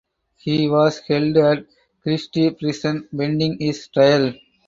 He was held at Kresty Prison pending his trial.